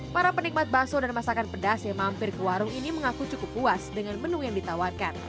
para penikmat bakso dan masakan pedas yang mampir ke warung ini mengaku cukup puas dengan menu yang ditawarkan